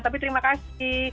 tapi terima kasih